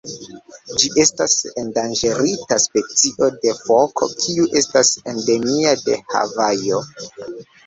Ĝi estas endanĝerita specio de foko kiu estas endemia de Havajo.